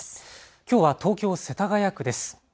きょうは東京世田谷区です。